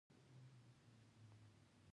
ورور ته د هرې بریا مبارکي ورکوې.